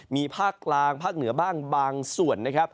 มีภาคกลางภาคเหนือบ้างบางส่วนนะครับ